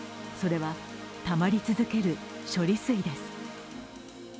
それは、たまり続ける処理水です。